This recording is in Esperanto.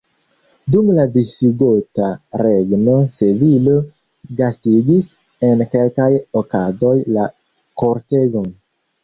Dum la visigota regno Sevilo gastigis en kelkaj okazoj la kortegon.